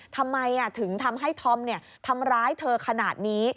ทำไมถึงทำให้ธอมทำร้ายเธอขนาดนี้